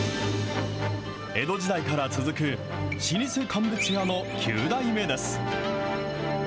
江戸時代から続く老舗乾物屋の９代目です。